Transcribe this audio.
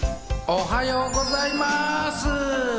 おはようございます！